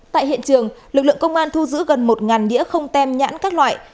tại hiện trường lực lượng công an thu giữ gần một đĩa không tem nhãn các loại